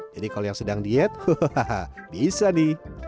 jadi kalau yang sedang diet hahaha bisa nih